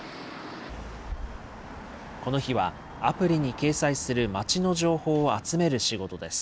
この日は、アプリに掲載する街の情報を集める仕事です。